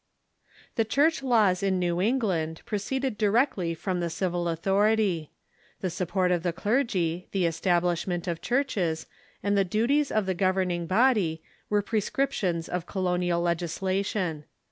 The Church laws in New England proceeded directly from the civil authority. The support of the clergy, the establish ment of churches, and the duties of the governing body were prescriptions of colonial legislation.